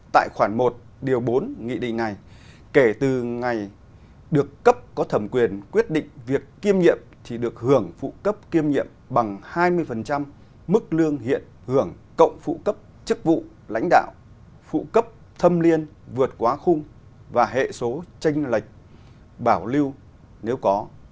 tại khoản một điều bốn nghị định này kể từ ngày được cấp có thẩm quyền quyết định việc kiêm nhiệm thì được hưởng phụ cấp kiêm nhiệm bằng hai mươi mức lương hiện hưởng cộng phụ cấp chức vụ lãnh đạo phụ cấp thâm liên vượt quá khung và hệ số tranh lệch bảo lưu nếu có